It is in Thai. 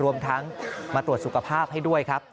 รวมทั้งมาตรวจสุขภาพให้ด้วยครับ